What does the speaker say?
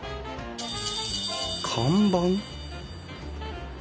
看板？